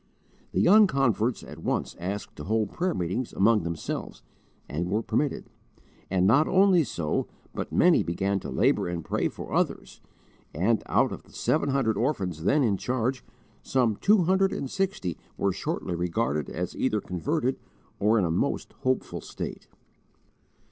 The young converts at once asked to hold prayer meetings among themselves, and were permitted; and not only so, but many began to labour and pray for others, and, out of the seven hundred orphans then in charge, some two hundred and sixty were shortly regarded as either converted or in a most hopeful state.